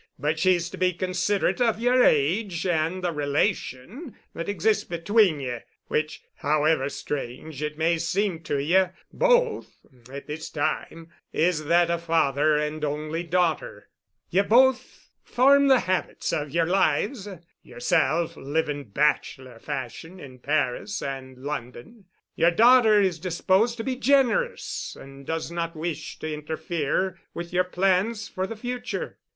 But she's to be considerate of yer age and the relation that exists between ye, which however strange it may seem to ye both at this time, is that of father and only daughter. Ye've both formed the habits of yer lives—yerself living bachelor fashion in Paris and London. Yer daughter is disposed to be generous and does not wish to interfere with yer plans for the future.